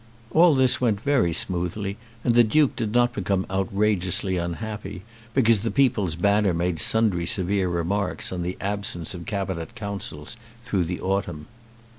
All this went very smoothly, and the Duke did not become outrageously unhappy because the "People's Banner" made sundry severe remarks on the absence of Cabinet Councils through the autumn.